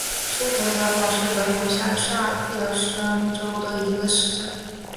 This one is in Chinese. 苏德尔堡是德国下萨克森州的一个市镇。